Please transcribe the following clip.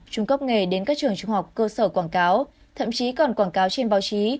trung cấp nghề đến các trường trung học cơ sở quảng cáo thậm chí còn quảng cáo trên báo chí